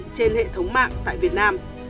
giống mạng tại việt nam